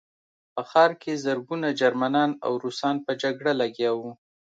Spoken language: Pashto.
په ښار کې زرګونه جرمنان او روسان په جګړه لګیا وو